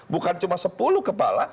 bukan cuma sepuluh kepala